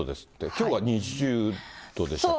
きょうが２０度でしたっけ？